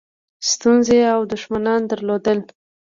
ستونزې او دښمنان درلودل.